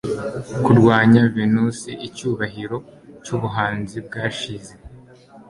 Kurwanya Venusi icyubahiro cyubuhanzi bwashize